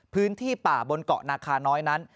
พื้นที่ป่าบนเกาะนาคาน้อยนั้น